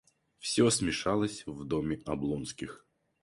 Всё смешалось в доме Облонских.